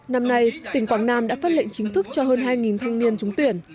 năm nay tỉnh quảng nam đã phát lệnh chính thức cho hơn hai thanh niên trúng tuyển